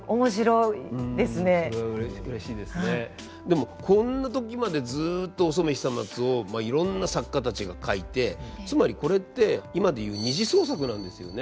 でもこんな時までずっとお染久松をいろんな作家たちが書いてつまりこれって今で言う「二次創作」なんですよね。